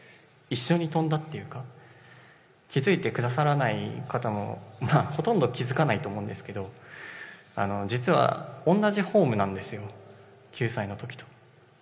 一緒に跳んだっていうか、気づいてくださらない方も、ほとんど気付かないと思うんですけれども、実はおんなじフォームなんですよ、９歳のときと。